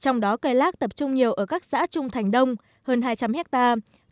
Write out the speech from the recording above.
trong đó cây lác tập trung nhiều ở các xã trung thành đông hơn hai trăm linh hectare